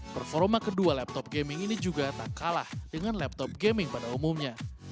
performa kedua laptop gaming ini juga tak kalah dengan laptop gaming pada umumnya